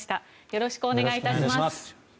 よろしくお願いします。